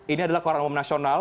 ini adalah koran umum nasional